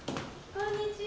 こんにちは！